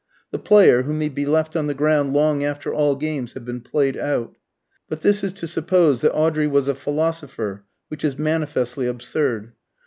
The player who may be left on the ground long after all games have been played out. But this is to suppose that Audrey was a philosopher, which is manifestly absurd.